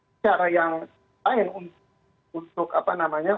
nah cara yang lain untuk apa namanya